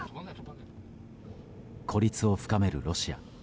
孤立を深めるロシア。